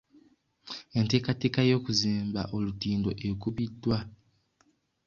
Enteekateeka y'okuzimba olutindo ekubiddwa.